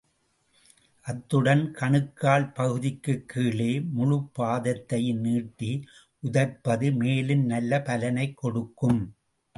அத்துடன் கணுக்கால் பகுதிக்குக் கீழே முழு பாதத்தையும் நீட்டி உதைப்பது மேலும் நல்ல பலனைக் கொடுக்கும்.